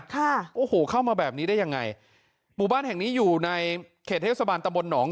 ค่ะโอ้โหเข้ามาแบบนี้ได้ยังไงหมู่บ้านแห่งนี้อยู่ในเขตเทศบาลตะบลหนอง